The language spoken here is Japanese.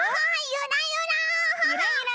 ゆらゆら。